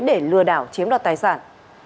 để lừa đảo chiếm đoạt tài sản